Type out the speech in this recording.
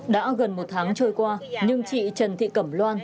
đã gần một tháng trôi qua nhưng chị trần thị cẩm loan